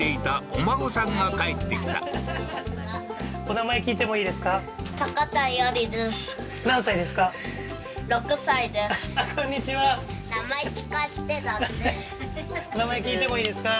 お名前聞いてもいいですか？